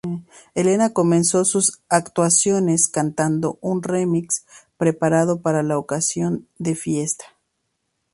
Helena comenzó sus actuaciones cantando un remix preparado para la ocasión de "Fiesta".